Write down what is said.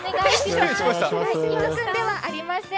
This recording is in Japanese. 育君ではありません。